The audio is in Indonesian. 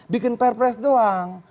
bikin perpres doang